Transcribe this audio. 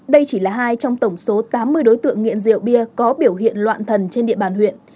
đây chỉ là hai trong tổng số tám mươi đối tượng nghiện rượu bia có biểu hiện loạn thần trên địa bàn huyện